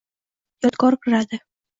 Yodgor kiradi.